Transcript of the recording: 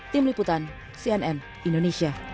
tim liputan cnn indonesia